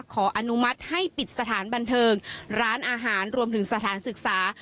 ขออนุมัติให้ปิดสถานบันเทิงร้านอาหารรวมถึงสถานศึกษา